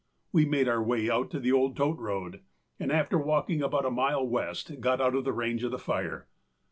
â We made our way out to the old tote road, and after walking about a mile west, got out of the range of the fire.